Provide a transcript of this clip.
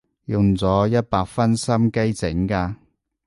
用咗一百分心機整㗎